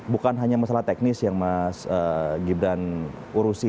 bukan hanya masalah teknis yang mas gibran urusi